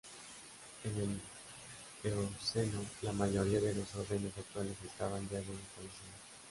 En el Eoceno la mayoría de los órdenes actuales estaban ya bien establecidos.